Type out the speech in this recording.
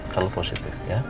kalau positif ya